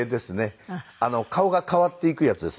顔が変わっていくやつですね。